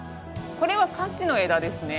これはカシの枝ですね。